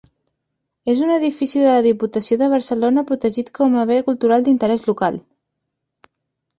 És un edifici de la Diputació de Barcelona protegit com a Bé Cultural d'Interès Local.